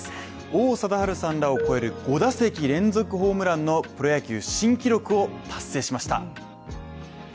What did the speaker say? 王貞治さんらを超える５打席連続ホームランの、プロ野球新記録を達成しました。